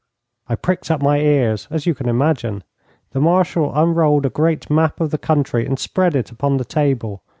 I pricked up my ears, as you can imagine. The Marshal unrolled a great map of the country and spread it upon the table.